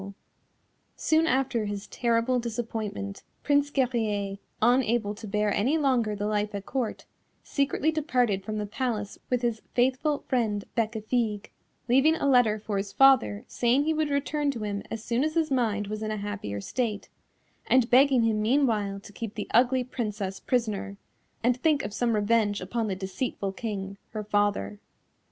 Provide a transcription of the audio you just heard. [Illustration: Painted by Jennie Harbour THE WHITE FAWN] Soon after his terrible disappointment, Prince Guerrier, unable to bear any longer the life at court, secretly departed from the palace with his faithful friend Bécafigue, leaving a letter for his father saying he would return to him as soon as his mind was in a happier state, and begging him meanwhile to keep the ugly Princess prisoner, and think of some revenge upon the deceitful king, her father.